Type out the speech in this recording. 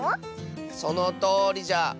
そのとおりじゃ。